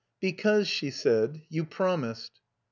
"Because," she said, "you promised."